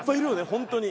本当に。